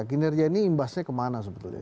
kinerja ini imbasnya kemana sebetulnya